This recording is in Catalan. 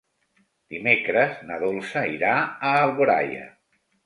Dimecres na Dolça irà a Alboraia.